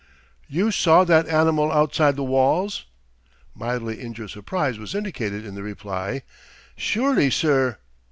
"You saw that animal outside the walls?" Mildly injured surprise was indicated in the reply: "Surely, sir!"